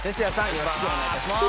よろしくお願いします。